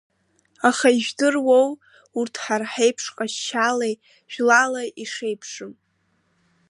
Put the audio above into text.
Аха ижәдыруоу урҭ ҳара ҳеиԥш ҟазшьалеи жәлалеи ишеиԥшым!